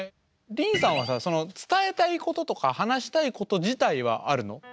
りんさんはさ伝えたいこととか話したいこと自体はあるの？